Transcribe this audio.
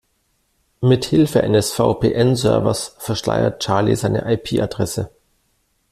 Mithilfe eines VPN-Servers verschleiert Charlie seine IP-Adresse.